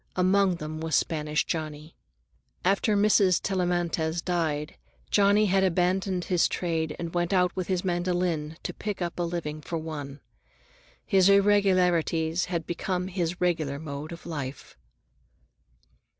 Among them was Spanish Johnny. After Mrs. Tellamantez died, Johnny abandoned his trade and went out with his mandolin to pick up a living for one. His irregularities had become his regular mode of life.